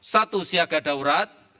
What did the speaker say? satu siaga daurat